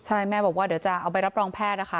ใช่แม่บอกว่าเดี๋ยวจะเอาไปรับรองแพทย์นะคะ